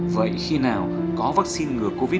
vậy khi nào có vaccine ngừa covid một mươi chín cho trẻ em